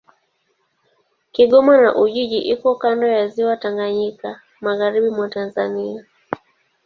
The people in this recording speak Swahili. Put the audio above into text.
Kigoma na Ujiji iko kando ya Ziwa Tanganyika, magharibi mwa Tanzania.